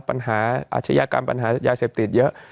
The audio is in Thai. ปัญหาอาชญากรรมปัญหายาเสพติดเยอะ